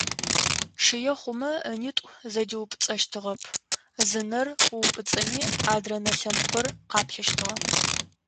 Чъые хъумэ ынитӏу зэдиупӏыцӏэщтыгъэп, зы нэр ыупӏыцӏэми адрэ нэ лъэныкъор къаплъэщтыгъэ.